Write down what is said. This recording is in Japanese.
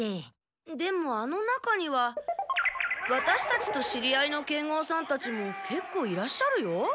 でもあの中にはワタシたちと知り合いの剣豪さんたちもけっこういらっしゃるよ。